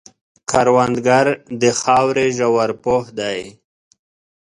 کروندګر د خاورې ژور پوه دی